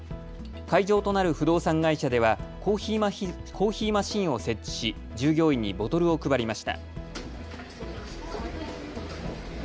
会場となる不動産会社ではコーヒーマシンを設置し従業員にボトルを配りました。